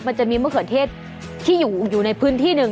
มันจะมีมะเขือเทศที่อยู่ในพื้นที่หนึ่ง